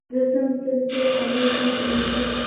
زه ځم، ته ځې، هغه ځي، دوی ځي.